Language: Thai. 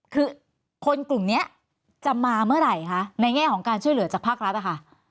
คือคนกลุ่มนี้จะมาเมื่อไหร่คะในแง่ของการช่วยเหลือจากภาครัฐนะคะ